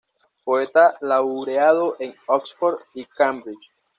Poeta laureado de Oxford y Cambridge.